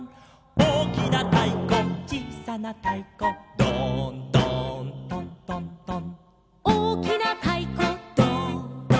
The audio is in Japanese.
「おおきなたいこちいさなたいこ」「ドーンドーントントントン」